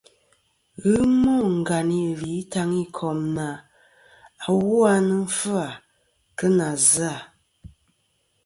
Ghɨ mô ngàyn î lì Itaŋikom na, "awu a nɨn fɨ-à kɨ nà zɨ-à.”.